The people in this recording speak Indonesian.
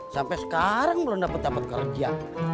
sampai sekarang belum dapat dapat kerja